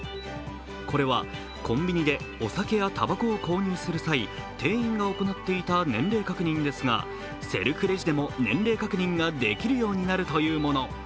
これはコンビニでお酒やたばこを購入する際、店員が行っていた年齢確認ですがセルフレジでも年齢確認ができるようになるというもの。